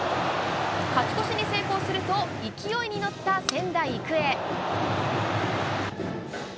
勝ち越しに成功すると、勢いに乗った仙台育英。